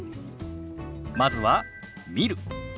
まずは「見る」。